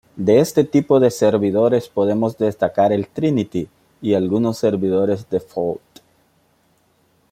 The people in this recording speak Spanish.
De este tipo de servidores, podemos destacar el Trinity, y algunos servidores Default.